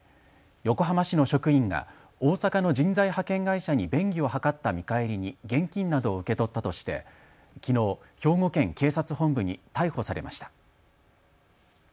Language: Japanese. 横浜市の職員が大阪の人材派遣会社に便宜を図った見返りに現金などを受け取ったとしてきのう、兵庫県警察本部に逮捕されました。